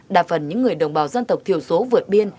đa phần những người đồng bào dân tộc thiểu số vượt biên